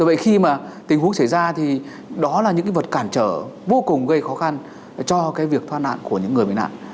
vậy khi mà tình huống xảy ra thì đó là những cái vật cản trở vô cùng gây khó khăn cho cái việc thoát nạn của những người bị nạn